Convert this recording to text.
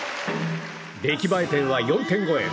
出来栄え点は４点超え。